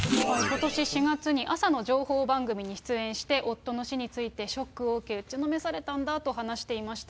ことし４月に朝の情報番組に出演して、夫の死についてショックを受け、打ちのめされたんだと話していました。